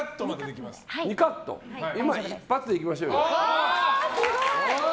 一発でいきましょうよ。